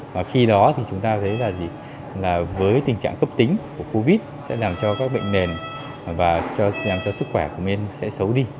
và khi đó thì chúng ta thấy là với tình trạng cấp tính của covid sẽ làm cho các bệnh nền và làm cho sức khỏe của mình sẽ xấu đi